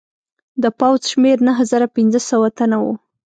د پوځ شمېر نهه زره پنځه سوه تنه وو.